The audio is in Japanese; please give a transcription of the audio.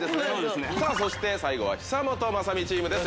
そして最後は久本雅美チームです。